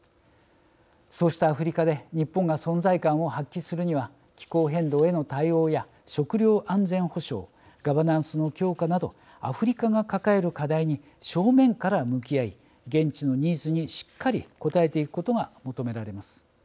そうしたアフリカで日本が存在感を発揮するには気候変動への対応や食料安全保障ガバナンスの強化などアフリカが抱える課題に正面から向き合い現地のニーズにしっかり応えていくことが求められます。